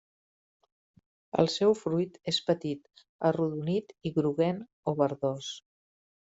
El seu fruit és petit, arrodonit i groguenc o verdós.